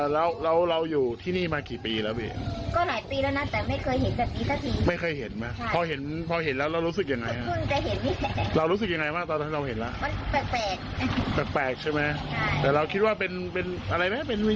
แล้วน่าจะไม่เคยเห็นแบบนี้ทักที